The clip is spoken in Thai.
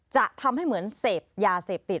จะทำให้เหมือนเสพยาเสพติด